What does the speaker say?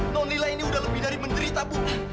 non lila ini udah lebih dari menderita bu